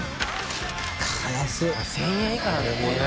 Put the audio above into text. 造ぁ１０００円以下なんだね。